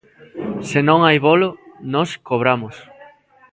Se non hai bolo, nos cobramos.